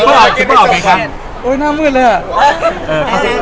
พี่เห็นไอ้เทรดเลิศเราทำไมวะไม่ลืมแล้ว